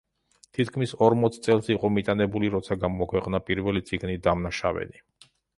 თითქმის ორმოც წელს იყო მიტანებული როცა გამოაქვეყნა პირველი წიგნი „დამნაშავენი“.